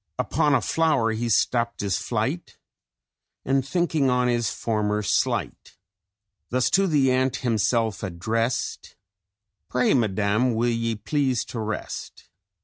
Upon a flower he stapt his flight, And thinking on his former slight, Thus to the Ant himself addrest: 'Pray, Madam, will ye please to rest?